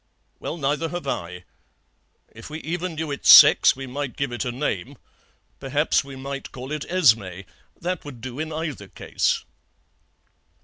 "'Well, neither have I. If we even knew its sex we might give it a name. Perhaps we might call it Esmé. That would do in either case.'